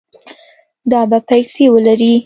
دا به پیسې ولري